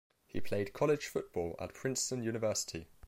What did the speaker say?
He played college football at Princeton University.